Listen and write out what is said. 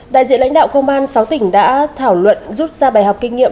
đại diện lãnh đạo công an sáu tỉnh đã thảo luận rút ra bài học kinh nghiệm